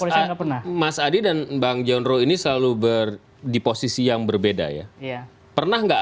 polisi nggak pernah mas adi dan bang johnro ini selalu ber di posisi yang berbeda ya pernah nggak